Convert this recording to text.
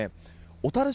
小樽市